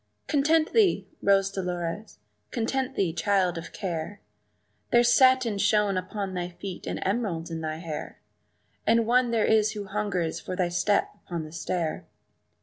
"Content thee, Rose Dolores; content thee, child of care! There's satin shoon upon thy feet and emeralds in thy hair, And one there is who hungers for thy step upon the stair."